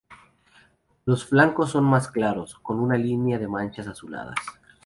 Los flancos son más claros, con una línea de manchas azuladas.